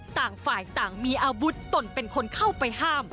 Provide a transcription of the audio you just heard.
ต่างฝ่ายต่างมีอาวุธตนเป็นคนเข้าไปห้าม